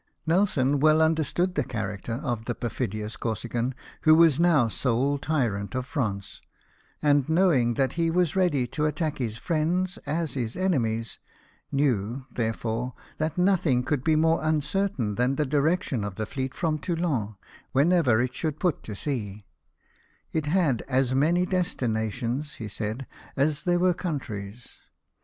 Nelson well understood the character of the perfidious Corsican, who was now sole tyrant of France ; and knowing that he was as ready to attack his friends as his enemies, knew, therefore, that nothing could be more uncertain than the direction of the fleet from Toulon, whenever it should put to sea :—" It had as many destinations," he said, "as there were countries."